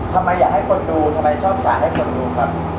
ทำไมอยากให้คนดูทำไมชอบฉากให้คนดูครับ